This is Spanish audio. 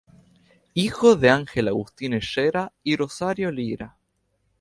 Hijo de Ángel Agustín Herrera y Rosario Lira.